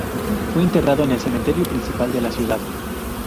Fue enterrado en el cementerio principal de la ciudad.